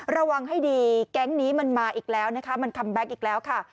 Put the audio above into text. ระวังให้ดีแก๊งนี้มันมาอีกแล้วนะคะมันคัมแก๊กอีกแล้วค่ะ